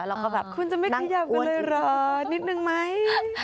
แล้วก็แบบนั่งอ้วนจริงคุณจะไม่ขยับเลยเหรอนิดหนึ่งไหม